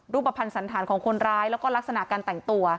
รูปภัณฑ์สันธารของคนร้ายแล้วก็ลักษณะการแต่งตัว